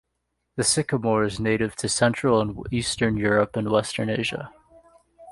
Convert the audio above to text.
The sycamore is native to central and eastern Europe and western Asia.